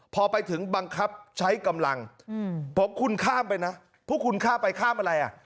พอไปถึงบังคับใช้กำลังพอคุณข้ามไปนะพวกคุณข้ามไปข้ามอะไรอ่ะ